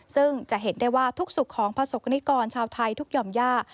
ซึ่งจะเห็นได้ว่าทุกสุขของประสบกรณิกรชาวไทยทุกหย่อมย่า